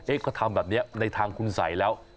อะก็ทำแบบนี้ในทางขุนใสแล้ว